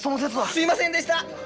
すいませんでした。